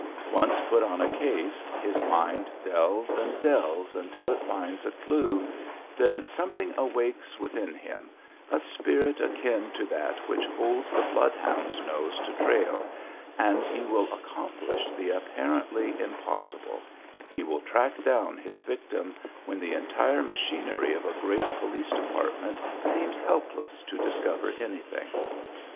Once put on a case his mind delves and delves until it finds a clue, then something awakes within him, a spirit akin to that which holds the bloodhound nose to trail, and he will accomplish the apparently impossible, he will track down his victim when the entire machinery of a great police department seems helpless to discover anything.